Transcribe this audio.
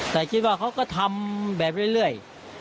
แต่คิดว่าเขาก็ทำแบบเรื่อย